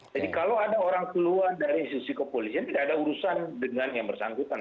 jadi kalau ada orang keluar dari institusi kepolisian tidak ada urusan dengan yang bersangkutan